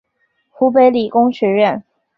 湖北理工学院